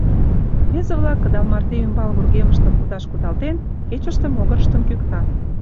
Рвезе-влак, кыдал марте ӱмбал вургемыштым кудаш кудалтен, кечыште могырыштым кӱктат.